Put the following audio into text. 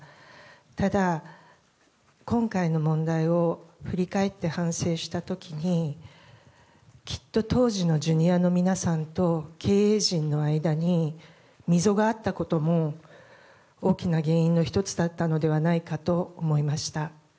ただ、今回の問題を振り返って反省した時にきっと当時のＪｒ．の皆さんと経営陣の間に溝があったことも大きな原因の１つだったのではないかと思いました。